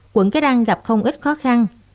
quận cái răng gặp không ít khó khăn